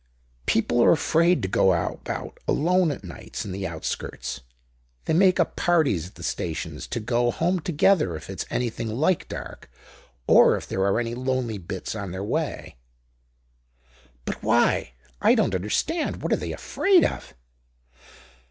"People are afraid to go about alone at nights in the outskirts. They make up parties at the stations to go home together if it's anything like dark, or if there are any lonely bits on their way." "But why? I don't understand. What are they afraid of?"